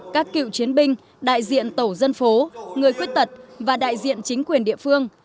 các cựu chiến binh đại diện tổ dân phố người khuyết tật và đại diện chính quyền địa phương